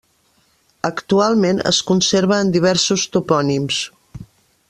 Actualment es conserva en diversos topònims.